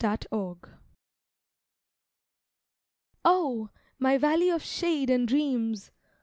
MY VALLEY Oh! my valley of shade and dreams!